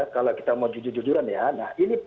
kalau kita mau jujur jujuran ya nah ini